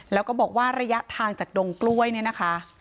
แล้วก็บอกว่าระยะทางจากดงกล้วยเนี่ยนะคะ